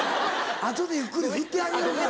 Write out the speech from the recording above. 後でゆっくりふってあげるから。